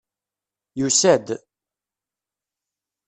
Yusa-d.